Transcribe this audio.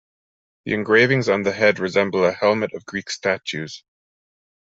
The engravings on the head resemble a helmet of Greek statues.